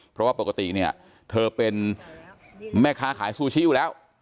เพราะว่าปกติเนี่ยเธอเป็นแม่ค้าขายซูชิอยู่แล้ว